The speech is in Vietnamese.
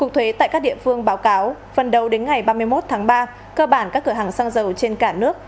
tại các địa phương báo cáo phần đầu đến ngày ba mươi một tháng ba cơ bản các cửa hàng xăng dầu trên cả nước